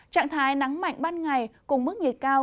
trạng thái nắng mạnh ban ngày cùng mức nhiệt cao